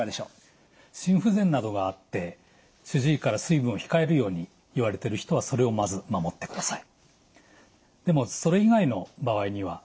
心不全などがあって主治医から水分を控えるように言われてる人はそれをまず守ってください。